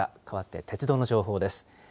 変わって鉄道の情報です。